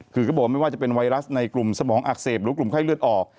คือก็บอกว่าไม่ว่าจะเป็นไวรัสในกลุ่มสมองอักเสบหรือกลุ่มไข้เลือดออก